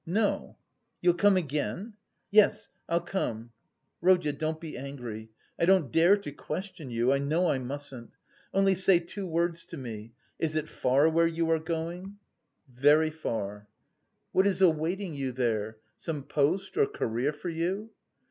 "No!" "You'll come again?" "Yes... I'll come." "Rodya, don't be angry, I don't dare to question you. I know I mustn't. Only say two words to me is it far where you are going?" "Very far." "What is awaiting you there? Some post or career for you?"